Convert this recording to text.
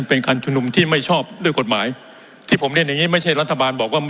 เป็นการชุมนุมที่ไม่ชอบด้วยกฎหมายที่ผมเรียนอย่างงี้ไม่ใช่รัฐบาลบอกว่า